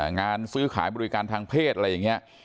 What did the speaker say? งานซื้อขายบริการทางเพศอะไรอย่างนี้